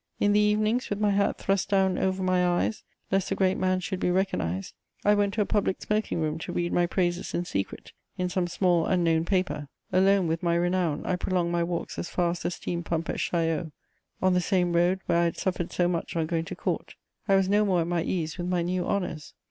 In the evenings, with my hat thrust down over my eyes, lest the great man should be recognised, I went to a public smoking room to read my praises in secret, in some small, unknown paper. Alone with my renown, I prolonged my walks as far as the steam pump at Chaillot, on the same road where I had suffered so much on going to Court: I was no more at my ease with my new honours.